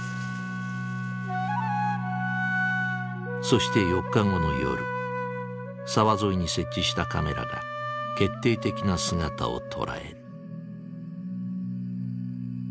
そして４日後の夜沢沿いに設置したカメラが決定的な姿を捉える。